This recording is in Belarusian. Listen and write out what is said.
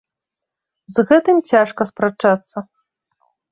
З гэтым цяжка спрачацца.